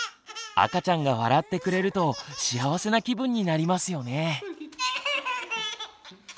赤ちゃんが笑ってくれると幸せな気分になりますよね。